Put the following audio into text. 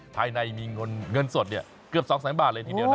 ภายในมีเงินเงินสดเนี่ยเกือบสองแสนบาทเลยทีเดียวนะ